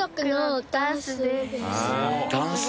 ダンス？